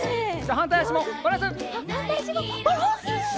はんたいあしもバランス。